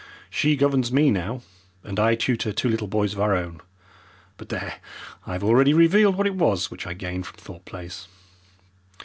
She governs me now, and I tutor two little boys of our own. But, there I have already revealed what it was which I gained in Thorpe Place!